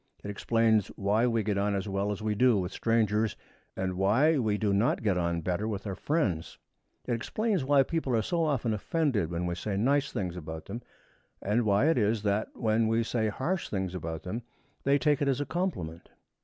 It explains why we get on as well as we do with strangers, and why we do not get on better with our friends. It explains why people are so often offended when we say nice things about them, and why it is that, when we say harsh things about them, they take it as a compliment.